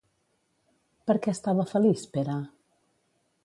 Per què estava feliç Pere?